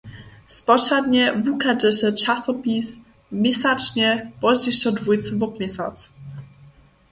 Spočatnje wuchadźeše časopis měsačnje, pozdźišo dwójce wob měsac.